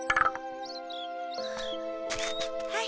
はい。